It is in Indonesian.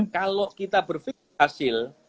kalau kita berpikir hasil